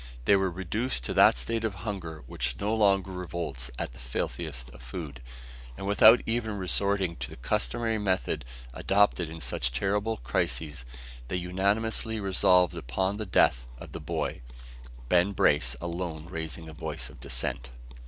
They were reduced to that state of hunger which no longer revolts at the filthiest of food; and without even resorting to the customary method adopted in such terrible crises, they unanimously resolved upon the death of the boy, Ben Brace alone raising a voice of dissent!